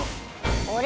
あれ？